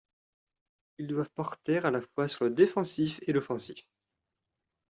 Ils doivent porter à la fois sur le défensif et l’offensif.